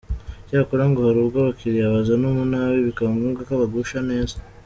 Icyakora, ngo hari ubwo abakiriya bazana umunabi bikaba ngombwa ko abagusha neza.